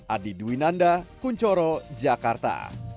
adi dwi nanda kunchoro jakarta